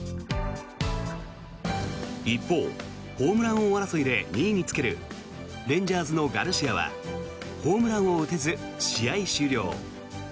一方、ホームラン王争いで２位につけるレンジャーズのガルシアはホームランを打てず試合終了。